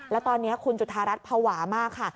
แล้วตอนนี้คุณจุธารัฐภาวะมากค่ะ